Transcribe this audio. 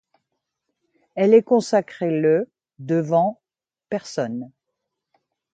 Elle est consacrée le devant personnes.